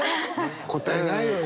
答えないよね。